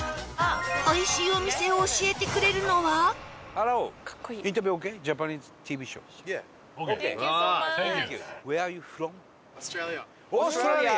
おいしいお店を教えてくれるのは伊達：オーストラリア！